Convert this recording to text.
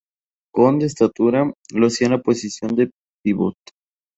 Con de estatura, lo hacía en la posición de pívot.